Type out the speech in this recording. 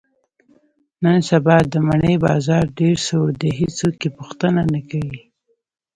نن سبا د مڼې بازار ډېر سوړ دی، هېڅوک یې پوښتنه نه کوي.